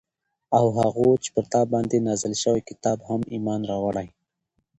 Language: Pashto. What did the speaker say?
او هغو چې پر تا باندي نازل شوي كتاب هم ايمان راوړي